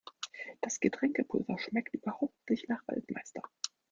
Das Getränkepulver schmeckt überhaupt nicht nach Waldmeister.